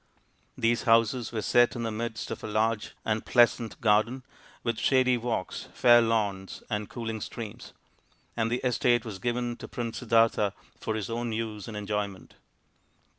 These houses were set in the midst of a large and pleasant garden with shady walks, fair lawns, and cooling streams, and the estate was given to Prince Siddartha for his own use and enjoyment.